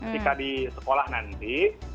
jika di sekolah nanti